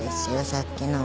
さっきの。